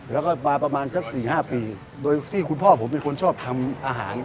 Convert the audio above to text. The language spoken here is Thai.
แล้วก็มาประมาณสัก๔๕ปีโดยที่คุณพ่อผมเป็นคนชอบทำอาหาร